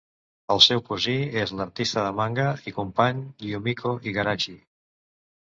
El seu cosí és l'artista de manga i company, Yumiko Igarashi.